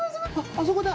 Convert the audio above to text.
あそこだ！